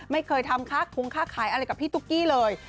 ไม่เคยทำค่าคุ้งค่าขายอะไรกับพี่ตุ๊กกี้เลย